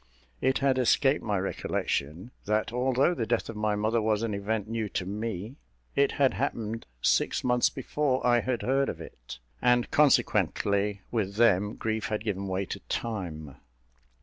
It had escaped my recollection, that although the death of my mother was an event new to me, it had happened six months before I had heard of it; and, consequently, with them grief had given way to time.